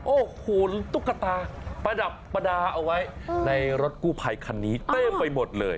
โอ้โหตุ๊กตาประดับประดาเอาไว้ในรถกู้ภัยคันนี้เต็มไปหมดเลย